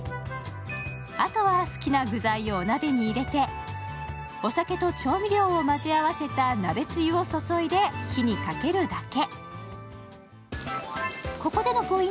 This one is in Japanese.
あとは好きな具材をお鍋に入れてお酒と調味料を混ぜ合わせた鍋つゆを注いで、火にかけるだけ。